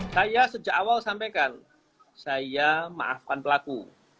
saya sejak awal sampaikan saya maafkan pelaku